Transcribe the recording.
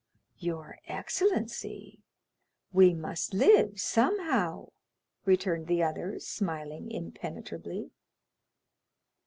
"Your excellency, we must live somehow," returned the other, smiling impenetrably.